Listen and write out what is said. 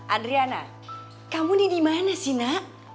adriana kamu nih dimana sih nak